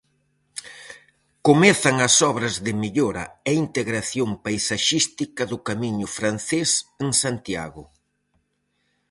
Comezan as obras de mellora e integración paisaxística do Camiño Francés en Santiago.